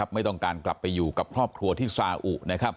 ไม่ต้องการกลับไปอยู่กับครอบครัวที่ซาอุ